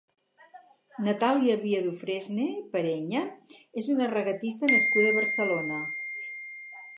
Natàlia Via-Dufresne Pereña és una regatista nascuda a Barcelona.